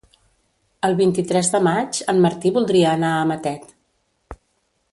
El vint-i-tres de maig en Martí voldria anar a Matet.